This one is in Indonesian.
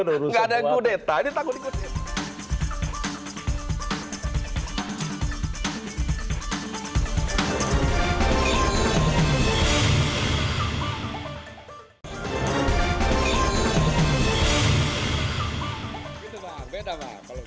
nggak ada yang kudeta ini takut ikutin